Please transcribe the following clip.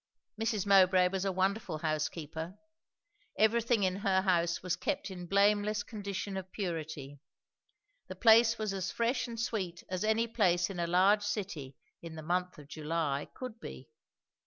Mrs. Mowbray was a wonderful housekeeper; everything in her house was kept in blameless condition of purity; the place was as fresh and sweet as any place in a large city in the month of July could be.